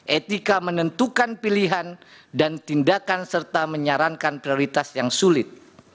etika menentukan pilihan dan tindakan serta menyarankan prioritas yang sulit